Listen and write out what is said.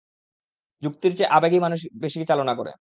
যুক্তির চেয়ে আবেগই মানুষকে বেশি চালনা করে।